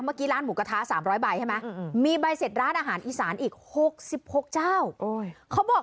เมื่อกี้ร้านหมูกระทะ๓๐๐ใบใช่ไหม